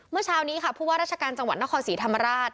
เมื่อเช้านี้ค่ะภูวะรัชกาลจังหวัดนาคองสีธรรมดาตร